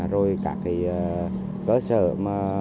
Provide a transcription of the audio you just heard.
rồi cả cái cơ sở mà